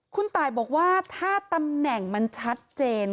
คุณตายบอกว่าถ้าตำแหน่งมันชัดเจน